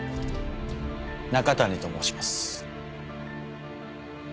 中谷と申します。